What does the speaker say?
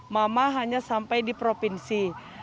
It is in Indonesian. mama hanya sampai di provinsi